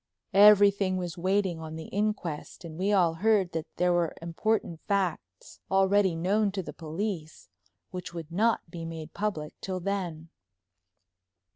Everything was waiting on the inquest, and we all heard that there were important facts—already known to the police—which would not be made public till then.